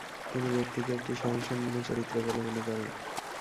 তিনি ব্যক্তিকে একটি স্বয়ংসম্পর্ণ চরিত্র বলে মনে করেন।